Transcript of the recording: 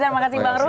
terima kasih bang ru